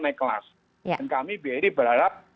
naik kelas dan kami bri berharap